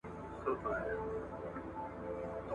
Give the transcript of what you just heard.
د خپل هيواد سياست ته ځير سئ.